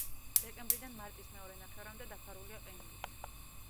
დეკემბრიდან მარტის მეორე ნახევრამდე დაფარულია ყინულით.